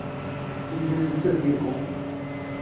今天是正念工坊